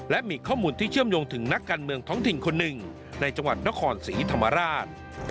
และมีข้อมูลที่เชื่อมโยงถึงนักการเมืองท้องถิ่นคนหนึ่งในจังหวัดนครศรีธรรมราช